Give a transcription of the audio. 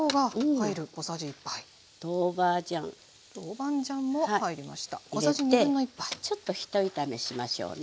入れてちょっとひと炒めしましょうね。